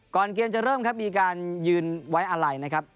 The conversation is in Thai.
ก่อนเกมจะเริ่มครับมีการยืนไว้อะไรนะครับ